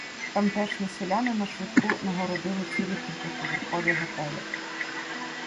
Тамтешні селяни нашвидку нагородили цілі кількаповерхові готелі